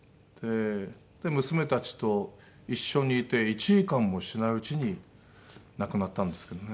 で娘たちと一緒にいて１時間もしないうちに亡くなったんですけどね。